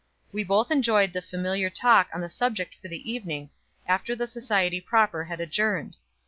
We both enjoyed the familiar talk on the subject for the evening, after the society proper had adjourned.